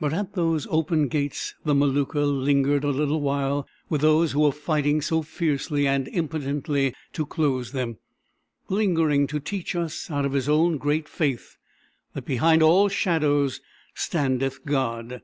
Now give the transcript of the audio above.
But at those open gates the Maluka lingered a little while with those who were fighting so fiercely and impotently to close them—lingering to teach us out of his own great faith that "Behind all Shadows standeth God."